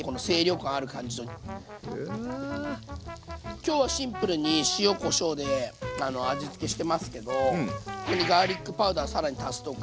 今日はシンプルに塩・こしょうで味付けしてますけどここにガーリックパウダー更に足すとか。